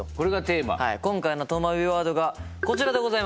今回のとまビワードがこちらでございます。